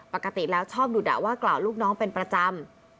ปกติแล้วชอบดุดะว่ากล่าวลูกน้องเป็นประจำ